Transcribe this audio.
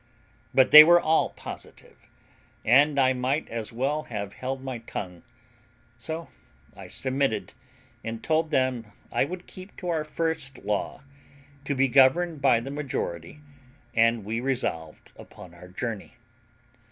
But they were all positive, and I might as well have held my tongue; so I submitted, and told them I would keep to our first law, to be governed by the majority, and we resolved upon our journey.